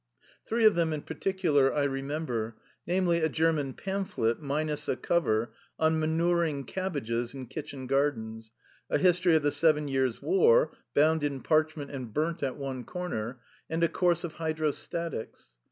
Three of them in particular I remember, namely, a German pamphlet (minus a cover) on Manuring Cabbages in Kitchen Gardens, a History of the Seven Years' War (bound in parchment and burnt at one corner), and a Course of Hydrostatics.